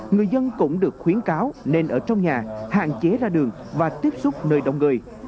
người dân cũng được khuyến cáo nên ở trong nhà hạn chế ra đường và tiếp xúc nơi đông người